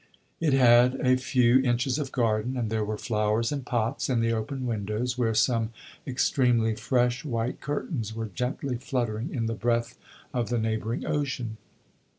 It had a few inches of garden, and there were flowers in pots in the open windows, where some extremely fresh white curtains were gently fluttering in the breath of the neighboring ocean.